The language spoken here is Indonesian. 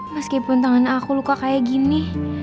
meskipun tangan aku luka kayak gini